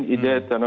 ide terorisme yang